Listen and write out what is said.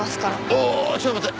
ああちょっと待って。